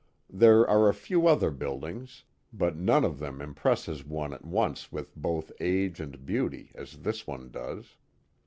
There are a few other old buildings, but none of them impresses * one at once with both age and beauty as this one does.